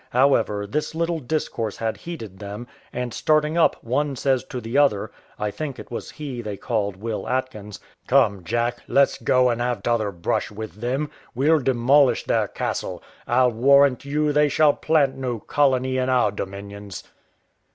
However, this little discourse had heated them; and starting up, one says to the other. (I think it was he they called Will Atkins), "Come, Jack, let's go and have t'other brush with them; we'll demolish their castle, I'll warrant you; they shall plant no colony in our dominions."